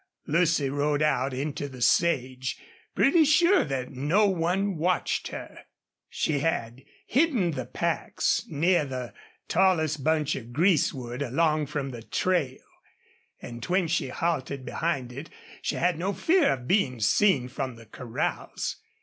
Lucy rode out into the sage, pretty sure that no one watched her. She had hidden the packs near the tallest bunch of greasewood along the trail; and when she halted behind it she had no fear of being seen from the corrals.